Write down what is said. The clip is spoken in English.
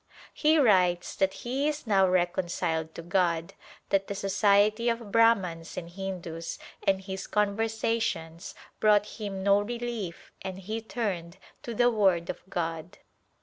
He writes that he is now reconciled to God, that the society of Brahmans and Hindus and his conversations brought him no re lief and he turned to the Word of God.